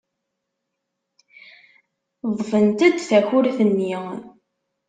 Ḍḍfent-d takurt-nni.